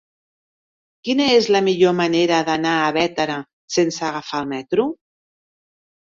Quina és la millor manera d'anar a Bétera sense agafar el metro?